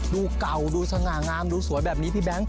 ดูเก่าดูสง่างามดูสวยแบบนี้พี่แบงค